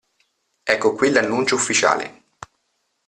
Ecco qui l'annuncio ufficiale.